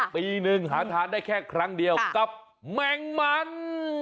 ปีหนึ่งหาทานได้แค่ครั้งเดียวกับแมงมัน